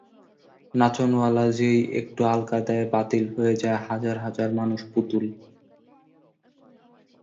নাচনওআলা যেই একটু আলগা দেয়, বাতিল হয়ে যায় হাজার হাজার মানুষ-পুতুল।